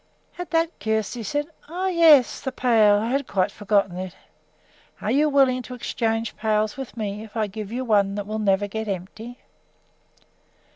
At that Kjersti said: "Oh, yes! the pail! I quite forgot it. Are you willing to exchange pails with me if I give you one that will never get empty?"